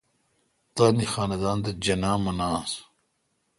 تانی خاندان تھ جناح مناس۔